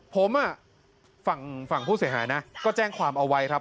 ผมฝั่งผู้เสียหายนะก็แจ้งความเอาไว้ครับ